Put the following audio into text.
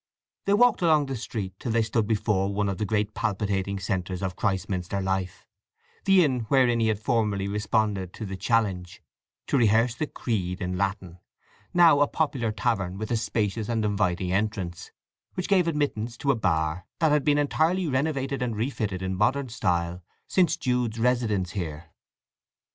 They walked along the street till they stood before one of the great palpitating centres of Christminster life, the inn wherein he formerly had responded to the challenge to rehearse the Creed in Latin—now a popular tavern with a spacious and inviting entrance, which gave admittance to a bar that had been entirely renovated and refitted in modern style since Jude's residence here.